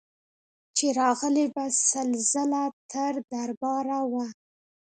چي راغلې به سل ځله تر دربار وه